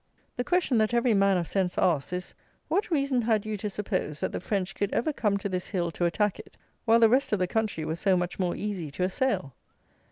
The question that every man of sense asks, is: What reason had you to suppose that the French could ever come to this hill to attack it, while the rest of the country was so much more easy to assail?